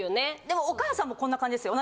でもお母さんもこんな感じですよ。